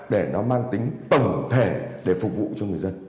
để nó mang tính tổng thể để phục vụ cho người dân